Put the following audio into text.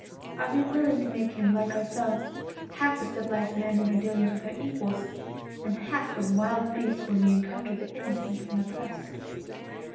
Are we willing to make him like ourselves half a civilized man in our dealings with our equals, and half a wild beast when we encounter the innocent and oppressed?